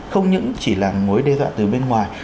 không những chỉ là mối đe dọa từ bên ngoài